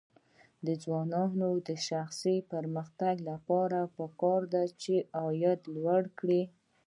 د ځوانانو د شخصي پرمختګ لپاره پکار ده چې عاید لوړ کړي.